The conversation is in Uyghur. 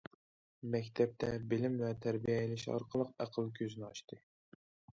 مەكتەپتە بىلىم ۋە تەربىيە ئېلىش ئارقىلىق ئەقىل كۆزىنى ئاچتى.